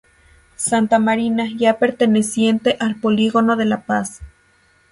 Santa Marina, ya perteneciente al Polígono de la Paz.